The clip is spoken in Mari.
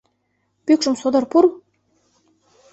Пӱкшым содор пурл...